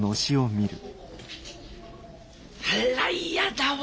あら嫌だわ。